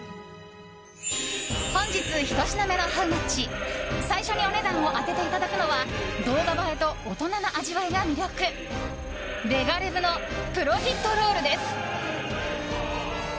本日１品目のハウマッチ最初にお値段を当てていただくのは動画映えと大人な味わいが魅力レガレヴのプロフィットロールです。